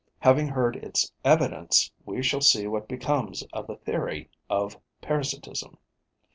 Having heard its evidence, we shall see what becomes of the theory of parasitism.